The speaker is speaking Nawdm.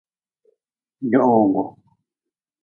Johowgu.